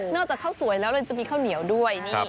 นอกจากข้าวสวยแล้วเลยจะมีข้าวเหนียวด้วย